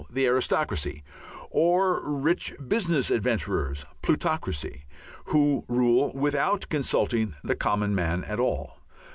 Aristocracy), or rich business adventurers (Plutocracy) who rule without consulting the common man at all.